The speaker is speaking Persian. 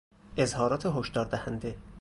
اظهارات هشدار دهنده